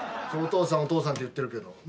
お父さんお父さんって言ってるけど。